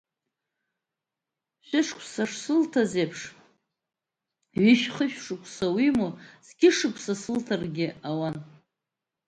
Шәышықәса шсылҭаз еиԥш ҩышә-хышә шықәса, уимоу, зқьышықәса сылҭаргьы ауан…